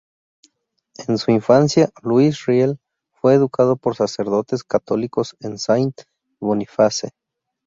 En su infancia, Louis Riel fue educado por sacerdotes católicos en Saint-Boniface.